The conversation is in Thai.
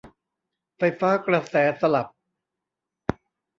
ไฟฟ้ากระแสสลับ